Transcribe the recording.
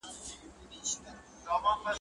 پښتون نه دئ، چي د نوک جواب په سوک ور نه کي.